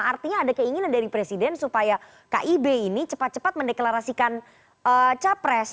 artinya ada keinginan dari presiden supaya kib ini cepat cepat mendeklarasikan capres